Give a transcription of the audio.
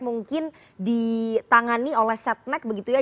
mungkin ditangani oleh setnek begitu ya